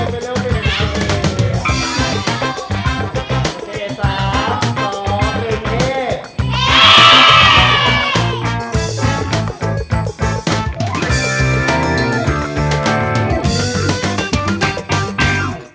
โปรดติดตามตอนต่อไป